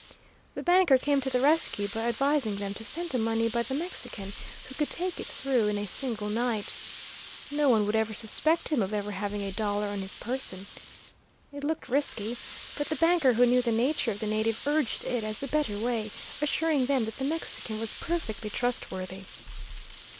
The banker came to the rescue by advising them to send the money by the Mexican, who could take it through in a single night. No one would ever suspect him of ever having a dollar on his person. It looked risky, but the banker who knew the nature of the native urged it as the better way, assuring them that the Mexican was perfectly trustworthy.